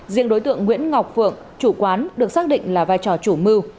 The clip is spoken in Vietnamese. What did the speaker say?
riêng đối tượng nguyễn ngọc phượng chủ quán được xác định là vai trò chủ mưu